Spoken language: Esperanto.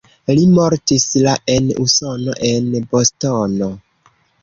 Li mortis la en Usono en Bostono.